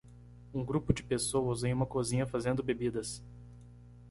Um grupo de pessoas em uma cozinha fazendo bebidas.